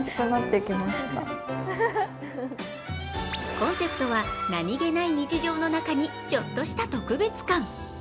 コンセプトは何気ない日常の中に“ちょっとした特別感”。